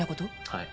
はい。